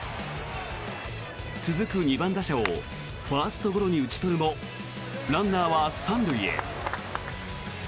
続く２番打者をファーストゴロに打ち取るもランナーは３塁へ。